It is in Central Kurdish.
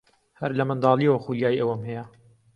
هەر لە منداڵییەوە خولیای ئەوەم هەیە.